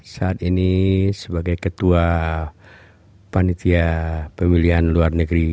saat ini sebagai ketua panitia pemilihan luar negeri